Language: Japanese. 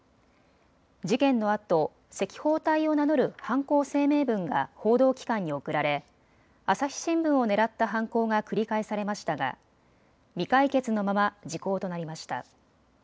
事件のあと、赤報隊を名乗る犯行声明文が報道機関に送られ朝日新聞を狙った犯行が繰り返されましたが未解決のまま時効となりました。